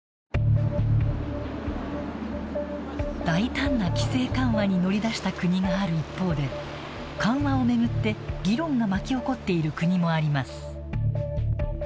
大胆な規制緩和に乗り出した国がある一方で緩和を巡って、議論が巻き起こっている国もあります。